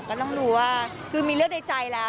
ก็ต้องรู้ว่าคือมีเลือกในใจแล้ว